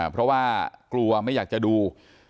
เพราะว่ากลัวไม่อยากจะดู